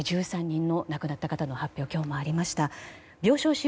１３人の亡くなった方の発表がありました。